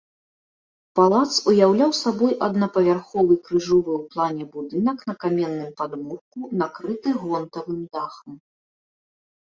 Палац уяўляў сабой аднапавярховы крыжовы ў плане будынак на каменным падмурку, накрыты гонтавым дахам.